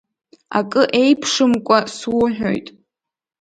Акы еиԥшымкәа суҳәоит!